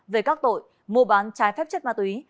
về các tội mua bán trái phép chất ma túy